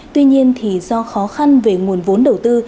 tuy nhiên do khó khăn về nguồn vốn đầu tư